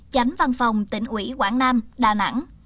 chánh văn phòng tỉnh ủy quảng nam đà nẵng